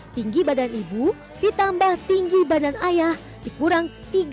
tinggi badan ibu ditambah tinggi badan ayah dikurang tiga